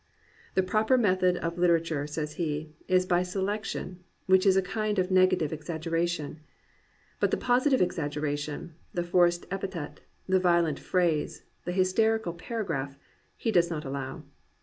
"The proper method of litera ture," says he, "is by selection, which is a kind of negative exaggeration." But the positive exag geration, — the forced epithet, the violent phrase, the hysterical paragraph, — ^he does not allow.